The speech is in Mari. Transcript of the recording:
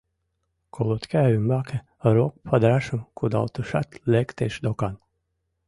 Колотка ӱмбаке рок падырашым кудалтышат лектеш докан».